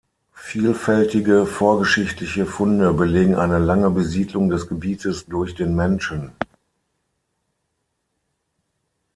Vielfältige vorgeschichtliche Funde belegen eine lange Besiedlung des Gebietes durch den Menschen.